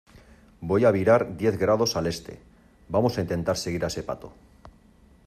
voy a virar diez grados al Este. vamos a intentar seguir a ese pato .